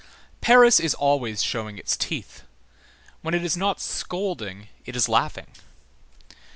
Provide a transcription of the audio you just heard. Paris is always showing its teeth; when it is not scolding it is laughing.